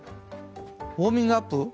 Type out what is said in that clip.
ウォーミッグアップ？